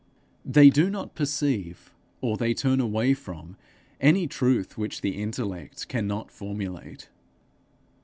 They do not perceive, or they turn away from any truth which the intellect cannot formulate.